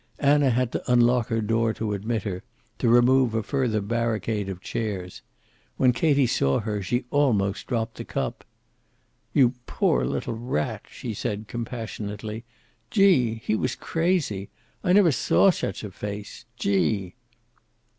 Anna had to unlock her door to admit her, to remove a further barricade of chairs. When Katie saw her she almost dropped the cup. "You poor little rat," she said compassionately. "Gee! He was crazy. I never saw such a face. Gee!"